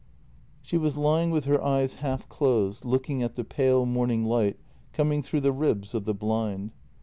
She was lying with her eyes half closed, looking at the pale morning light coming through the ribs of the blind.